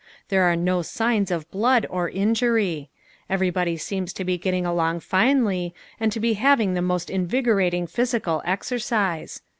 There are no signs of blood or injury. Everybody seems to be getting along finely and to be having the most invigorating physical exercise.